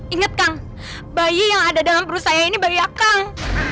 ingat kang bayi yang ada dalam perusahaan ini bayi akang